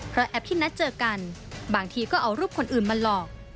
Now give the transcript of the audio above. เพราะแอปที่นัดเจอกันบางทีก็เอารูปคนอื่นมาหลอก